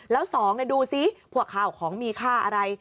แล้วสองดูซิพวกข้าวของมีค่าอะไร